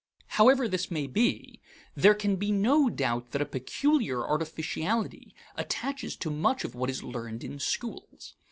However this may be, there can be no doubt that a peculiar artificiality attaches to much of what is learned in schools.